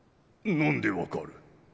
何で分かる？